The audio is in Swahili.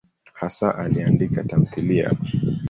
Hasa aliandika tamthiliya.